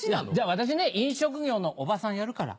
私飲食業のおばさんやるから。